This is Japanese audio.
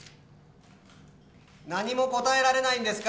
何も答えられないんですか？